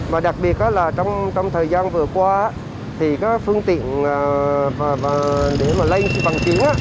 mà đặc biệt là trong thời gian vừa qua thì các phương tiện để mà lây vận chuyển